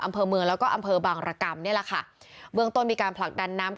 อำเภอเมืองแล้วก็อำเภอบางรกรรมนี่แหละค่ะเบื้องต้นมีการผลักดันน้ำ